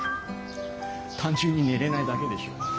単純に寝れないだけでしょ。